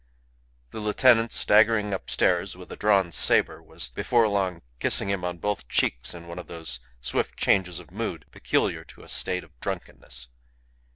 The lieutenant, staggering upstairs with a drawn sabre, was before long kissing him on both cheeks in one of those swift changes of mood peculiar to a state of drunkenness.